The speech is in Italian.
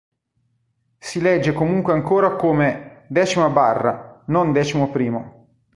Si legge comunque ancora come "X barra", non "X primo".